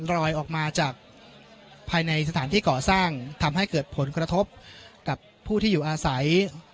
รอยออกมาจากภายในสถานที่ก่อสร้างทำให้เกิดผลกระทบกับผู้ที่อยู่อาศัย